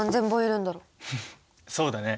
そうだね。